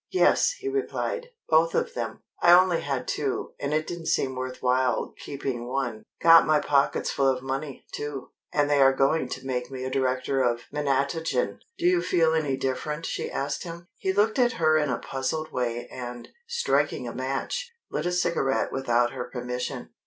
"Yes," he replied, "both of them. I only had two, and it didn't seem worth while keeping one. Got my pockets full of money, too, and they are going to make me a director of Menatogen." "Do you feel any different?" she asked him. He looked at her in a puzzled way and, striking a match, lit a cigarette without her permission.